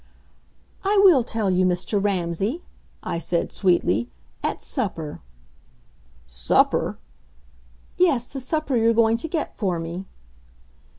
"I will tell you, Mr. Ramsay," I said sweetly, "at supper." "Supper!" "Yes, the supper you're going to get for me."